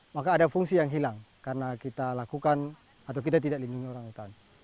maka ada fungsi yang hilang karena kita tidak lindungi orang hutan